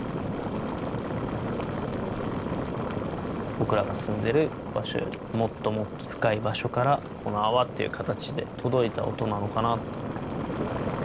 僕らが住んでる場所よりもっともっと深い場所からこの泡っていう形で届いた音なのかな。